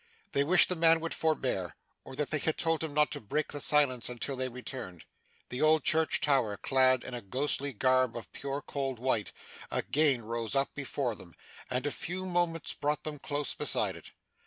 They wished the man would forbear, or that they had told him not to break the silence until they returned. The old church tower, clad in a ghostly garb of pure cold white, again rose up before them, and a few moments brought them close beside it.